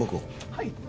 はい。